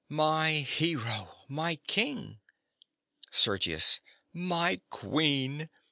My hero! My king. SERGIUS. My queen!